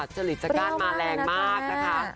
เจริญจักรกาศมาแรงมากนะคะ